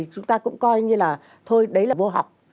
chúng ta cũng coi như là thôi đấy là vô học